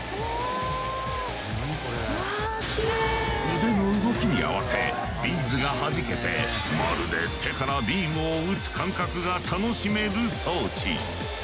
腕の動きに合わせビーズがはじけてまるで手からビームを撃つ感覚が楽しめる装置。